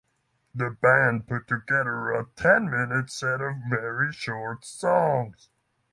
The band put together a ten-minute set of very short songs.